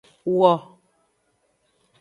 Wo.